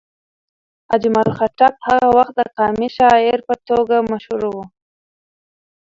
اجمل خټک هغه وخت د قامي شاعر په توګه مشهور و.